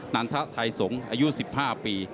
ันทะไทยสงฆ์อายุ๑๕ปี